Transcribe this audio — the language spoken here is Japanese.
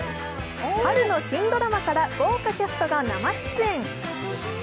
春の新ドラマから豪華キャストが生出演。